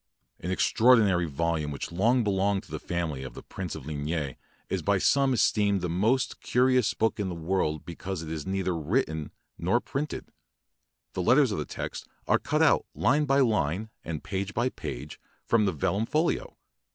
An extraordinary volume which long belonged to the family of the Prince de LIgne is by some esteemed the moat carious book in the world because it is neither written nor printed. The let ters of the text are cut out line by line and page by page from the vellum folio.